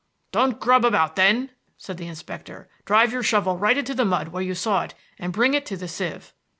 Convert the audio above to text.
"Don't grub about then," said the inspector. "Drive your shovel right into the mud where you saw it and bring it to the sieve."